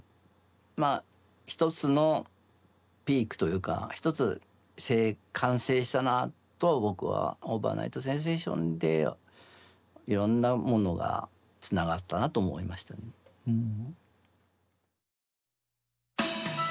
まあ一つのピークというか一つ完成したなと僕は「ＯｖｅｒｎｉｇｈｔＳｅｎｓａｔｉｏｎ」でいろんなものがつながったなと思いましたねうん。